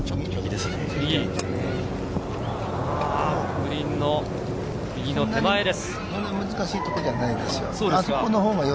そんなに難しいところではないですよ。